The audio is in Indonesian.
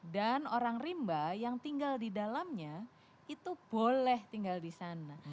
orang rimba yang tinggal di dalamnya itu boleh tinggal di sana